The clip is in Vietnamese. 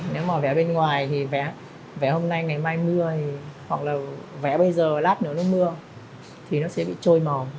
nếu mà vẽ bên ngoài thì vẽ hôm nay ngày mai mưa hoặc là vẽ bây giờ lát nữa nó mưa thì nó sẽ bị trôi màu